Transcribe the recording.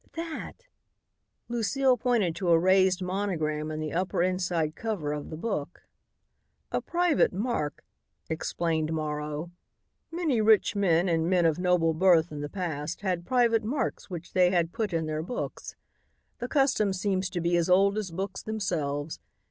"That," Lucile pointed to a raised monogram in the upper inside cover of the book. "A private mark," explained Morrow. "Many rich men and men of noble birth in the past had private marks which they put in their books. The custom seems to be as old as books themselves.